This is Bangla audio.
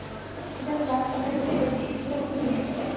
তোমাদের বাচ্চাদের মধ্যে কেউ কি স্কুলে কুকুর নিয়ে এসেছে?